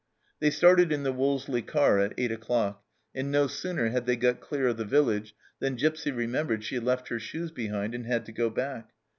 They started in the Wolseley car at eight o'clock, and no sooner had they got clear of the village than Gipsy remembered she had left her shoes behind, and had to go back.